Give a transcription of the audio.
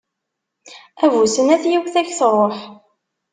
A bu snat, yiwet ad ak-tṛuḥ!